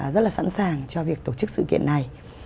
rất là sẵn sàng cho việc tổ chức sự kiện này